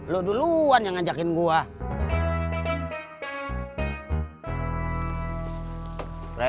lo duluan yang ngajakin gue